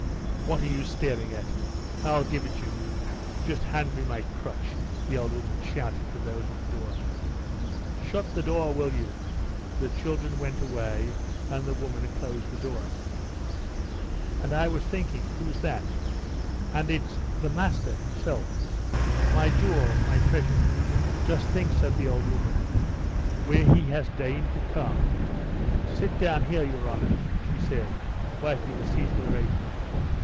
"What are you staring at? I'll give it you. Just hand me my crutch," the old woman shouted to those at the door. "Shut the door, will you!" The children went away, and the woman closed the door. "And I was thinking, who's that? And it's 'the master' himself. My jewel, my treasure. Just think," said the old woman, "where he has deigned to come. Sit down here, your honour," she said, wiping the seat with her apron.